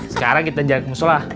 sekarang kita jalan ke musolah